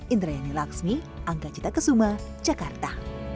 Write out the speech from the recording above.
indra yani laksmi angga cita kesuma jakarta